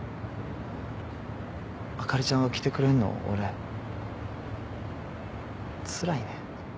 あかりちゃんが来てくれるの俺つらいねん。